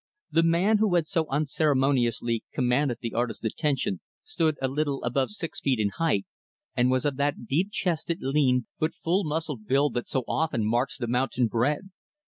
The man who had so unceremoniously commanded the artist's attention stood a little above six feet in height, and was of that deep chested, lean, but full muscled build that so often marks the mountain bred.